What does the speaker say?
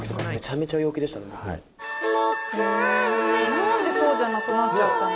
何でそうじゃなくなっちゃったの？